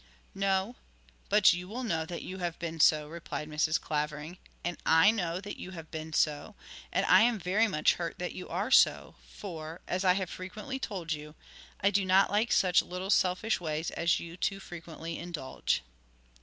'No, but you will know that you have been so,' replied Mrs. Clavering; 'and I know that you have been so, and I am very much hurt that you are so, for, as I have frequently told you, I do not like such little selfish ways as you too frequently indulge.'